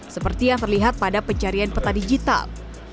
seperti yang terlihat pada pencarian peta digital